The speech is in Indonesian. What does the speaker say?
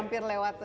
hanya mampir lewat